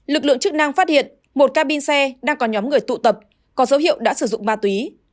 lực lượng chức năng phát hiện một cabin xe đang có nhóm người tụ tập có dấu hiệu đã sử dụng ma túy